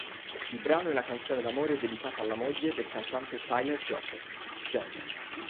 Il brano è una canzone d'amore dedicata alla moglie del cantante Tyler Joseph, Jenna.